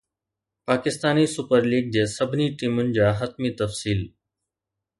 Pakistan super league جي سڀني ٽيمن جا حتمي تفصيل